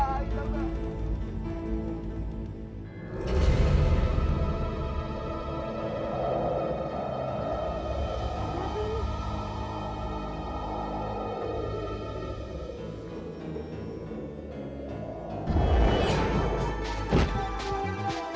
ayo cepetan kejar